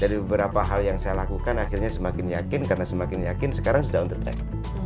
dari beberapa hal yang saya lakukan akhirnya semakin yakin karena semakin yakin sekarang sudah on the track